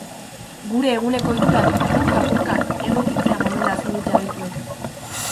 Gure eguneko ohiturak apurka-apurka egokitzea gomendatzen dute adituek.